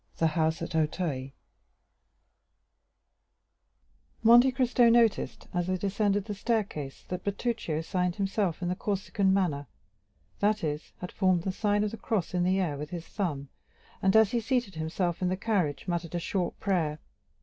The House at Auteuil Monte Cristo noticed, as they descended the staircase, that Bertuccio signed himself in the Corsican manner; that is, had formed the sign of the cross in the air with his thumb, and as he seated himself in the carriage, muttered a short prayer.